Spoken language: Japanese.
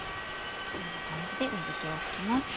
このような感じで水気を拭きます。